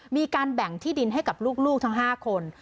มีการแบ่งที่ดินให้กับลูกทั้ง๕คน